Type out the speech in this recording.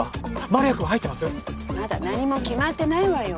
まだ何も決まってないわよ。